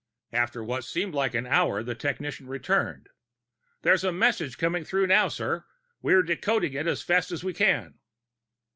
After what seemed like an hour, the technician returned. "There's a message coming through now, sir. We're decoding it as fast as we can."